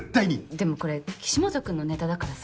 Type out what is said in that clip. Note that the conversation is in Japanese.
でもこれ岸本君のネタだからさ。